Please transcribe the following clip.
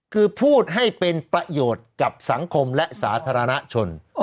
คือพูดให้เป็นประโยชน์กับสังคมและสาธารณชน